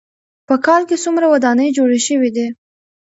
په کال کې څومره ودانۍ جوړې شوې دي.